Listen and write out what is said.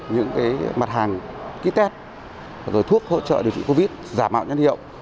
những mặt hàng kit test thuốc hỗ trợ điều trị covid giả mạo nhân hiệu